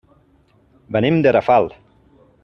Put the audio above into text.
Venim de Rafal.